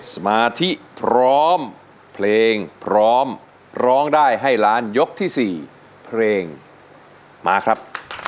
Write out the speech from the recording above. สมาธิพร้อมเพลงพร้อมร้องได้ให้ล้านยกที่๔เพลงมาครับ